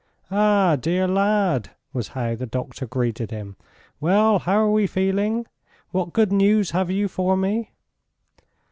"Ah, dear lad!" was how the doctor greeted him. "Well! how are we feeling? What good news have you for me?"